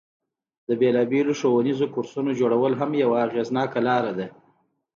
د بیلابیلو ښوونیزو کورسونو جوړول هم یوه اغیزناکه لاره ده.